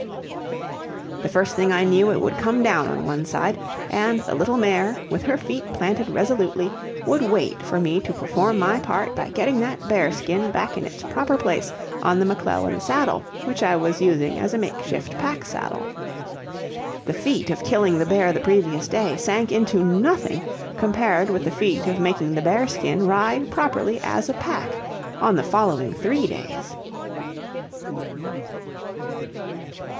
The first thing I knew it would come down on one side, and the little mare, with her feet planted resolutely, would wait for me to perform my part by getting that bearskin back in its proper place on the McClellan saddle which I was using as a makeshift pack saddle. The feat of killing the bear the previous day sank into nothing compared with the feat of making the bearskin ride properly as a pack on the following three days.